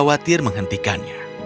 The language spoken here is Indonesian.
rosali menolak tetapi mata ayahnya menolak